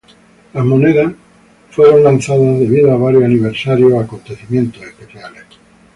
Las monedas fueron lanzadas debido a varios aniversarios o acontecimientos especiales.